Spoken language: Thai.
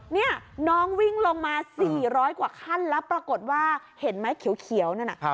นี่น้องวิ่งลงมา๔๐๐กว่าขั้นแล้วปรากฏว่าเห็นไหมเขียวนั่นน่ะ